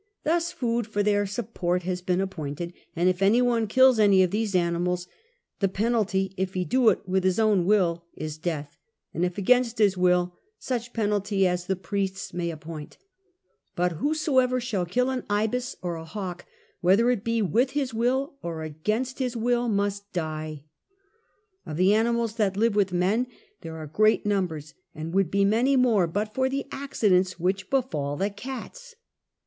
Thus food for their support has been appointed and if any one kill any of these animals, the penalty, if he do it with his own will, is death, and if against his will, such penalty as the priests may appoint: but whosoever shall kill an ibis or a hawk, whether it be with his will or against his will, must die. Of the animals that live with men there are great numbers, and would be many more but for the accidents which befall the cats.